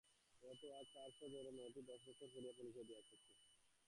ও তো আজ চার বছর ধরিয়া মেয়েটির বয়স দশ বলিয়া পরিচয় দিয়া আসিতেছে।